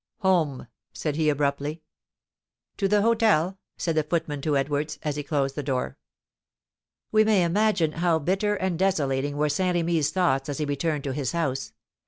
"Home!" he said, abruptly. "To the hôtel!" said the footman to Edwards, as he closed the door. We may imagine how bitter and desolating were Saint Remy's thoughts as he returned to his house.